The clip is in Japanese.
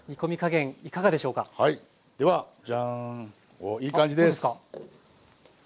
おっいい感じです！